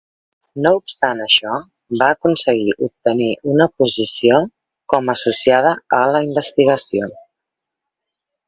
No obstant això, va aconseguir obtenir una posició com a associada a la investigació.